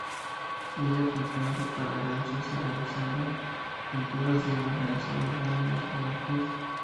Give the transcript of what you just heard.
Ella continuó su carrera en Suiza realizando pinturas de imágenes sobre láminas de marfil.